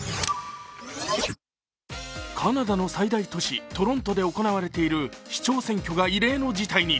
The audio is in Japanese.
カナダの最大都市トロントで行われている市長選挙が異例の事態に。